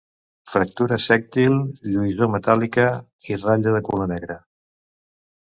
Fractura sèctil, lluïssor metàl·lica i ratlla de color negre.